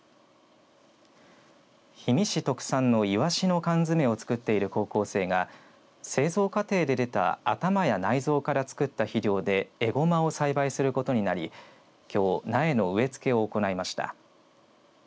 氷見市特産のいわしの缶詰を作っている高校生が製造過程で出た頭や内臓から作った肥料でえごまを栽培することになりきょう苗の植え付けを行いました。